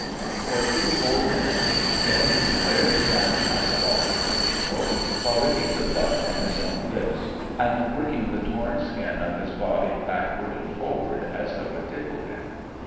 For two whole minutes Finn glared down at the body of the dingo, while licking the blood from his own lips, and working the torn skin of his body backward and forward as though it tickled him.